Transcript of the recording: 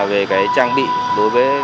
về trang bị đối với